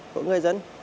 của người dân